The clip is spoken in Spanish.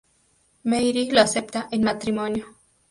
Mary lo acepta en matrimonio.